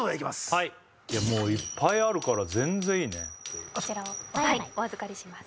はいいやもういっぱいあるから全然いいねあっそうこちらをはいお預かりします